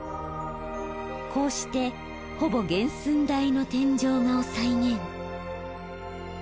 こうしてほぼ原寸大の天井画を再現。